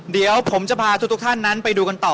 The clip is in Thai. เดี๋ยวผมจะพาทุกท่านนั้นไปดูกันต่อ